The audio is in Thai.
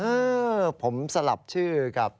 เออผมสลับชื่อกับ